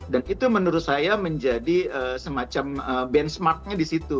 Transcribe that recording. dan itu menurut saya menjadi semacam benchmarknya di situ